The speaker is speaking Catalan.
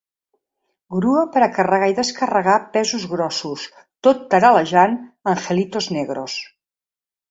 Grua per a carregar i descarregar pesos grossos tot taral·lejant “Angelitos Negros”.